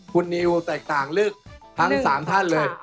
คุณนิวแตกต่างเลือกทั้ง๓ท่านเลย